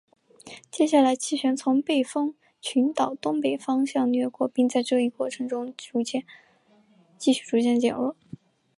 接下来气旋从背风群岛东北方向掠过并在这一过程中继续逐渐减弱。